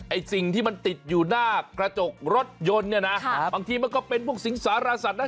สิ่งที่มันติดอยู่หน้ากระจกรถยนต์เนี่ยนะบางทีมันก็เป็นพวกสิงสารสัตว์นะ